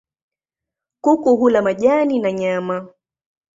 Kuku hula majani na nyama.